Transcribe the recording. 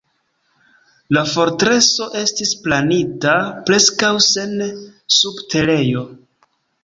La fortreso estis planita preskaŭ sen subterejo.